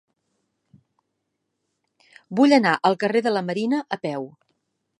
Vull anar al carrer de la Marina a peu.